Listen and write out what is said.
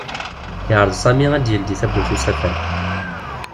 Yeɛreḍ Sami ad d-yeldi tawwurt n usafag.